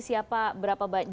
siapa berapa banyak